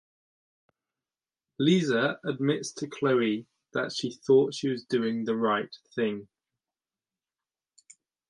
Lisa admits to Chloe that she thought she was doing the right thing.